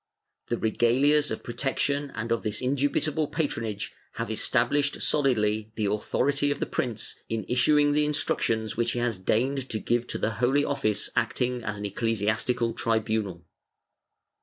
The regah'as of protection and of this indubitable patronage have established solidly the authority of the prince, in issuing the instructions which he has deigned to give to the Holy Office acting as an ecclesiastical tribunal."